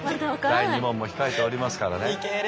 第２問も控えておりますからね。